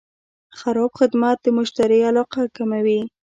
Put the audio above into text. خراب خدمت د مشتری علاقه کموي.